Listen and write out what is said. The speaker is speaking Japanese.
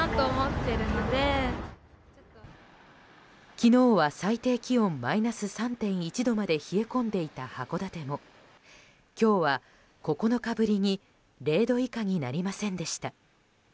昨日は最低気温マイナス３．１度まで冷え込んでいた函館も今日は９日ぶりに０度以下になりませんでした。